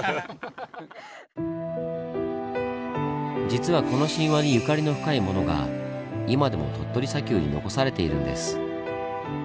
実はこの神話にゆかりの深いものが今でも鳥取砂丘に残されているんです。